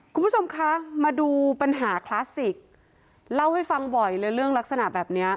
คุณผู้ชมคะมาดูปัญหาคลาสสิกเล่าให้ฟังบ่อยเลยเรื่องลักษณะแบบเนี้ย